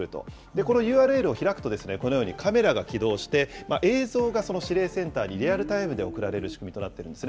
このＵＲＬを開くと、このように、カメラが起動して、映像がその指令センターにリアルタイムで送られる仕組みとなっているんですね。